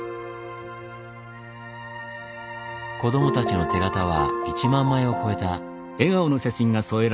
子供たちの手形は１万枚を超えた。